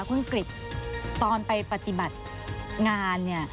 คุณกริจตอนไปปฏิบัติงาน